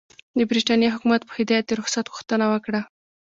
د برټانیې حکومت په هدایت د رخصت غوښتنه وکړه.